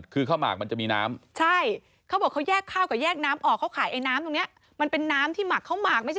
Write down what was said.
คือข้าวหมากมันจะมีน้ำ